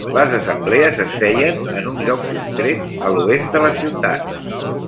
Les assemblees es feien en un lloc concret a l'oest de la ciutat.